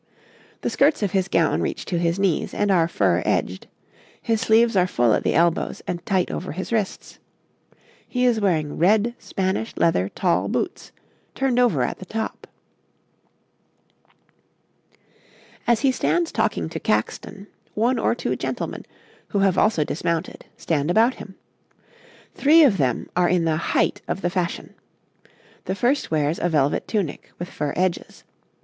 The skirts of his gown reach to his knees, and are fur edged; his sleeves are full at the elbows and tight over his wrists; he is wearing red Spanish leather tall boots, turned over at the top. [Illustration: {A man of the time of Edward IV.; lacing on a cut sleeve}] As he stands talking to Caxton, one or two gentlemen, who have also dismounted, stand about him. Three of them are in the height of the fashion. The first wears a velvet tunic, with fur edges.